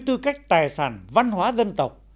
tư cách tài sản văn hóa dân tộc